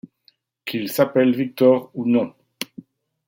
Qu'il s'appelle Victor ou non.